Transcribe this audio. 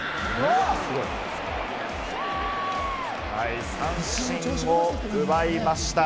はい、三振を奪いました。